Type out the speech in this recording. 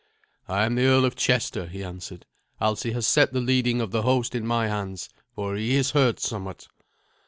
"I am the Earl of Chester," he answered. "Alsi has set the leading of the host in my hands, for he is hurt somewhat."